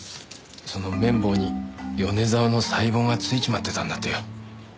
その綿棒に米沢の細胞がついちまってたんだってよ。